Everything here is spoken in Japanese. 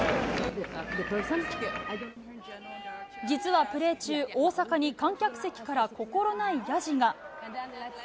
実は、プレー中大坂に観客席から心ないやじが。